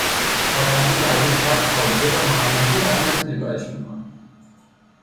خاتمی بر روی تخت خوابیده و محمدی و رحمتی نگاهش میکنند